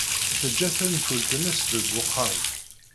Teǧǧa tanfult-nnes deg uxxam.